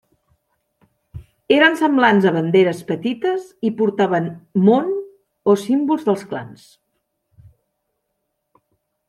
Eren semblants a banderes petites i portaven mon o símbols dels clans.